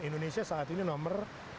indonesia saat ini nomor